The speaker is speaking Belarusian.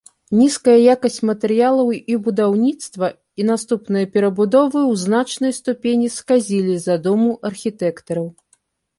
Нізкая якасць матэрыялаў і будаўніцтва і наступныя перабудовы ў значнай ступені сказілі задуму архітэктараў.